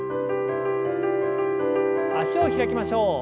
脚を開きましょう。